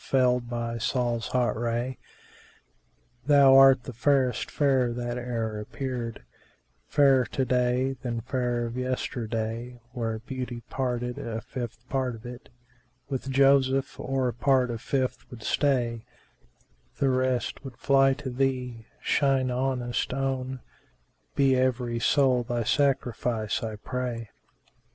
felled by Sol's hot ray: Thou art the fairest fair that e'er appeared, * Fairer to day than fair of yesterday:[FN#384] Were Beauty parted, a fifth part of it * With Joseph or a part of fifth would stay; The rest would fly to thee, shine ownest own; * Be every soul thy sacrifice, I pray!"